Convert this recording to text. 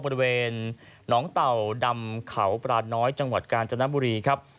บริเวณหนองเต่าดำเขาปราน้อยจังหวัดกาญจนบุรีครับ